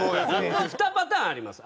２パターンあります